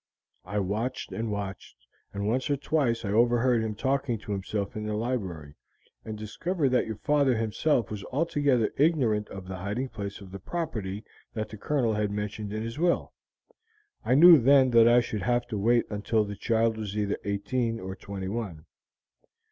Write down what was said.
I watched and watched, and once or twice I overheard him talking to himself in the library, and discovered that your father himself was altogether ignorant of the hiding place of the property that the Colonel had mentioned in his will. I knew then that I should have to wait until the child was either eighteen or twenty one.